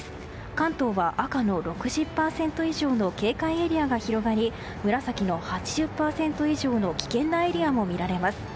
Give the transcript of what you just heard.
関東は赤の６０％以上の警戒エリアが広がり紫の８０％以上の危険なエリアも見られます。